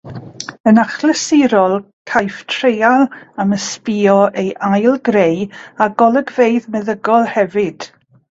Yn achlysurol caiff treial am ysbïo ei ail-greu, a golygfeydd meddygol hefyd.